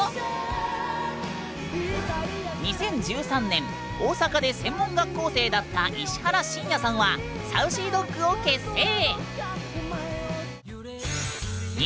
２０１３年大阪で専門学校生だった石原慎也さんはＳａｕｃｙＤｏｇを結成。